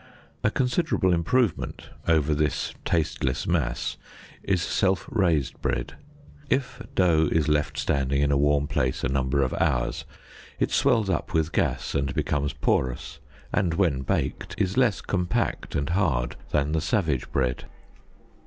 A considerable improvement over this tasteless mass is self raised bread. If dough is left standing in a warm place a number of hours, it swells up with gas and becomes porous, and when baked, is less compact and hard than the savage bread.